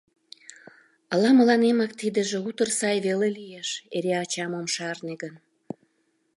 — Ала мыланемак тидыже утыр сай веле лиеш, эре ачам ом шарне гын.